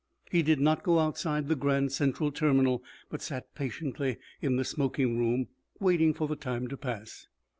He did not go outside the Grand Central Terminal, but sat patiently in the smoking room, waiting for the time to pass.